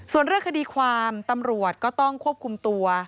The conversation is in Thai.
ส่วนเรื่องคดีความตำรวจก็ต้องควบคุมตัว